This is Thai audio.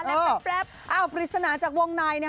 เอาภารกิจสนานจากวงใน